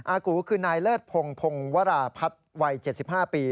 อากูคือนายเลิศพงพงวราพัฒน์วัย๗๕ปี